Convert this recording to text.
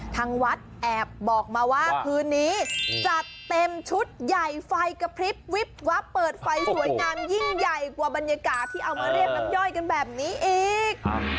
ทางวัดแอบบอกมาว่าคืนนี้จัดเต็มชุดใหญ่ไฟกระพริบวิบวับเปิดไฟสวยงามยิ่งใหญ่กว่าบรรยากาศที่เอามาเรียกน้ำย่อยกันแบบนี้อีก